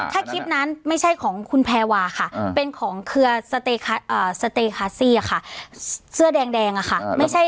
ถ้าคลิปนั้นไม่ใช่ของคุณแพรวาค่ะเป็นของเครือสเตคาซี่ค่ะเสื้อแดงอะค่ะ